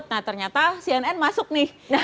nah ternyata cnn masuk nih